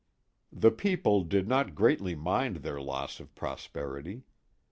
The people did not greatly mind their loss of prosperity.